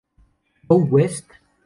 Go West!